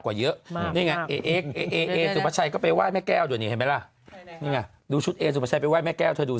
กว่าเยอะไม่มันไงเก้วเลยเห็นไหมหรอเนี่ยดูชุดแม่แก้วชอยดู